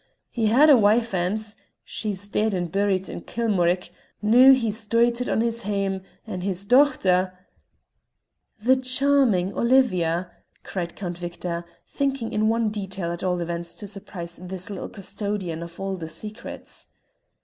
He had a wife ance; she's dead and buried in Kilmorich; noo he's doited on his hame and his dochter " "The charming Olivia!" cried Count Victor, thinking in one detail at all events to surprise this little custodian of all the secrets.